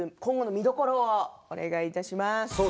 見どころをお願いします。